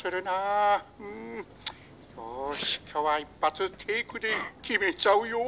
よし今日は一発テイクで決めちゃうよ。